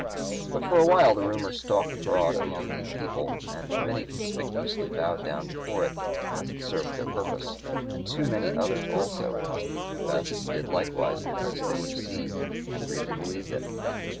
But for a while the rumor stalked abroad among the people, and many conspicuously bowed down before it because it served their purpose, and too many others also, it must be confessed, did likewise because they were deceived and really believed it.